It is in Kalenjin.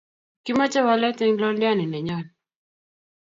kimache walet en Londianinenyon